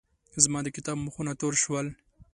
زما د کتاب مخونه تور شول.